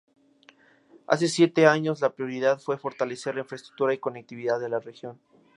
Hace siete años la prioridad fue fortalecer la infraestructura y conectividad de la región.